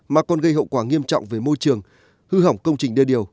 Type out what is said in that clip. mà còn gây hậu quả nghiêm trọng về môi trường hư hỏng công trình đê điều